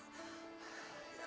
tenggorok bapak sakit